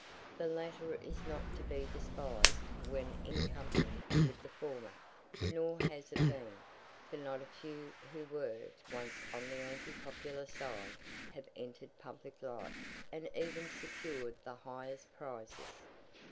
The latter is not to be despised when in company with the former; nor has it been, for not a few who were once on the anti popular side have entered public life, and even secured the highest prizes.